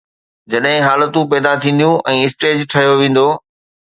جڏهن حالتون پيدا ٿينديون ۽ اسٽيج ٺهيو ويندو.